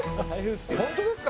本当ですか？